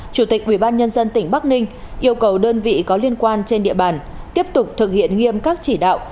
chủ tịch ubnd tỉnh bắc ninh yêu cầu đơn vị có liên quan trên địa bàn tiếp tục thực hiện nghiêm các chỉ đạo